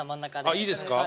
あいいですか？